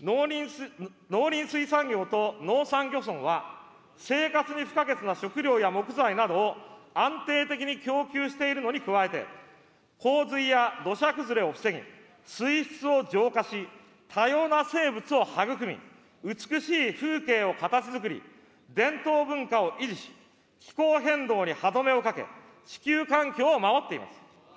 農林水産業と農山漁村は、生活に不可欠な食料や木材などを安定的に供給しているのに加えて、洪水や土砂崩れを防ぎ、水質を浄化し、多様な生物を育み、美しい風景を形づくり、伝統文化を維持し、気候変動に歯止めをかけ、地球環境を守っています。